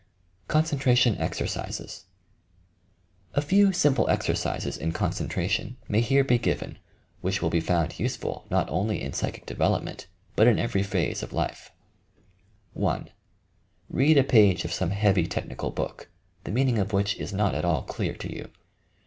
CONCENTKATION EXERCISES A few simple exercises in concentration may here be given which will be found useful not only in psychic de velopment but in every phase of life. PRATER, CONCENTRATION, SILENCE 217 1. Head a page of some heavy technical book, the meaning of which is not at all clear to you.